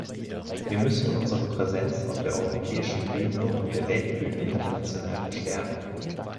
Wir müssen unsere Präsenz auf der europäischen Bühne und der Weltbühne international verstärken.